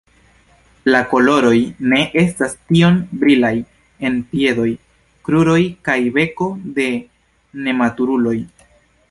La koloroj ne estas tiom brilaj en piedoj, kruroj kaj beko de nematuruloj.